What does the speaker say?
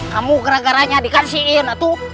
kamu gara garanya dikasihin